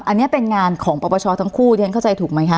อันนี้เป็นงานของปปชทั้งคู่เรียนเข้าใจถูกไหมคะ